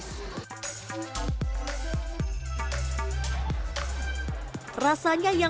rasanya yang terasa di dalam kue kacang tanah